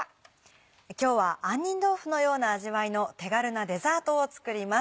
今日は杏仁豆腐のような味わいの手軽なデザートを作ります。